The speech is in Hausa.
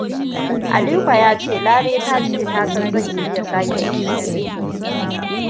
Aliko ya ce Lare ta ce ta san zai iya sake yi sau uku.